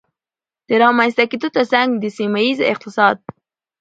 د رامنځته کېدو ترڅنګ د سيمهييز اقتصاد